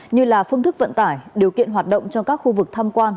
như là phương thức vận tải điều kiện hoạt động cho các khu vực thăm quan